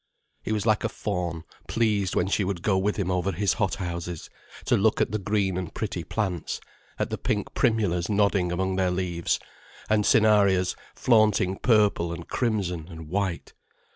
He was like a faun pleased when she would go with him over his hothouses, to look at the green and pretty plants, at the pink primulas nodding among their leaves, and cinarrias flaunting purple and crimson and white.